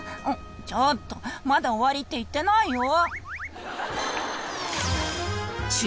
ちょっとまだ終わりって言ってないよ！